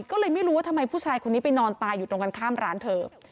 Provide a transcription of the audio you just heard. ก็เลยไม่รู้ว่าทำไมผู้ชายคนนี้ไปนอนตายอยู่ตรงกันข้ามร้านเธอ